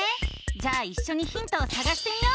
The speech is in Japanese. じゃあいっしょにヒントをさがしてみよう！